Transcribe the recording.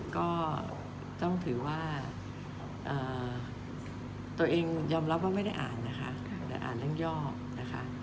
ก็ต้องถือว่าตัวเองยอมรับว่าไม่ได้อ่านนะคะแต่อ่านเรื่องยอกนะคะ